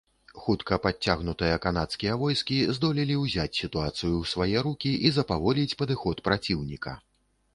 Хутка падцягнутыя канадскія войскі здолелі ўзяць сітуацыю ў свае рукі і запаволіць падыход праціўніка.